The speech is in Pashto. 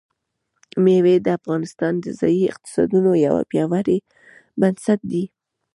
مېوې د افغانستان د ځایي اقتصادونو یو پیاوړی بنسټ دی.